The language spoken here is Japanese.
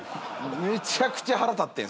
めちゃくちゃ腹立ってんすよ。